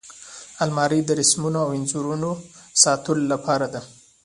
الماري د رسمونو او انځورونو ساتلو لپاره ده